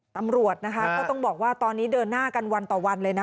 ตำรวจนะคะก็ต้องบอกว่าตอนนี้เดินหน้ากันวันต่อวันเลยนะ